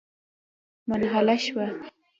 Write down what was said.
منحله شوه.